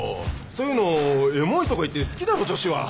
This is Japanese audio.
そういうの「エモい」とか言って好きだろ女子は！